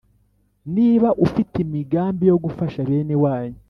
Niba ufite imigambi yo gufasha benewanyu